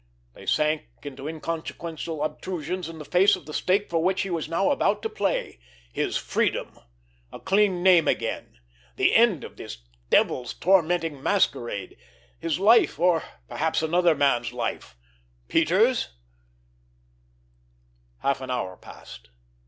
They sank into inconsequential obtrusions in the face of the stake for which he was now about to play: his freedom, a clean name again, the end of this devil's tormenting masquerade, his life or, perhaps, another man's life—Peters'? Half an hour passed.